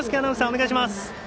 お願いします。